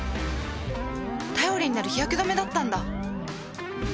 頼りになる日焼け止めだったんだ